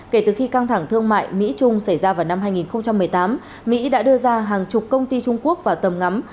kể từ khi căng thẳng thương mại mỹ trung xảy ra vào năm hai nghìn một mươi tám mỹ đã đưa ra hàng chục công ty trung quốc vào tầm ngắm